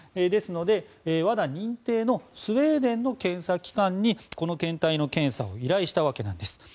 ですので、ＷＡＤＡ認定のスウェーデンの検査機関にこの検体の検査を依頼したわけなんです。